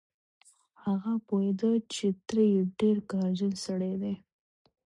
هغه پوهېده چې تره يې ډېر قهرجن سړی دی.